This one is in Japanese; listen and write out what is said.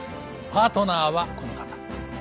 パートナーはこの方。